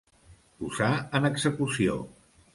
Posar en execució.